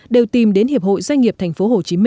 đều tìm đến hiệp hội doanh nghiệp tp hcm